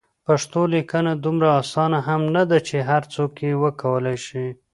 پښتو لیکنه دومره اسانه هم نده چې هر څوک یې وکولای شي.